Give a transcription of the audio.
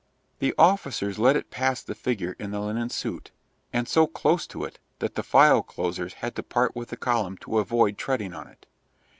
The officers led it past the figure in the linen suit, and so close to it that the file closers had to part with the column to avoid treading on it.